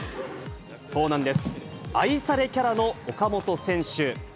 そうなんです、愛されキャラの岡本選手。